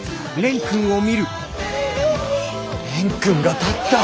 蓮くんが立った！